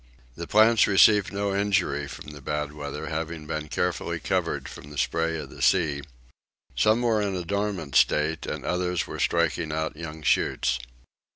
The plants received no injury from the bad weather having been carefully covered from the spray of the sea: some were in a dormant state and others were striking out young shoots.